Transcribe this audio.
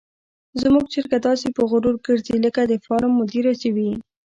زموږ چرګه داسې په غرور ګرځي لکه د فارم مدیره چې وي.